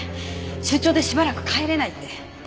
「出張でしばらく帰れない」って。